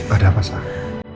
ada apa sarah